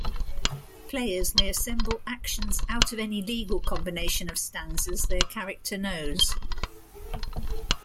Players may assemble actions out of any legal combination of stanzas their character knows.